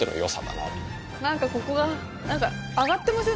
なんかここが上がってません？